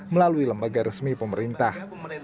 melalui lembaga resmi pemerintah